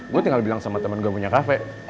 gue tinggal bilang sama temen gue punya kafe